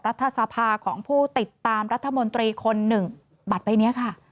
รัฐสภาของผู้ติดตามรัฐมนตรีคนหนึ่งบัตรใบนี้ค่ะ